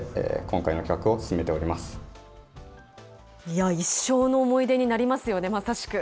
いや、一生の思い出になりますよね、まさしく。